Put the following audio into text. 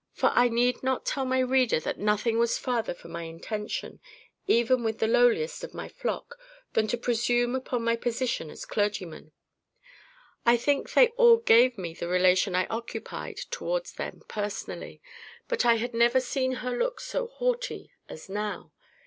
For I need not tell my reader that nothing was farther from my intention, even with the lowliest of my flock, than to presume upon my position as clergyman. I think they all GAVE me the relation I occupied towards them personally.—But I had never seen her look so haughty as now.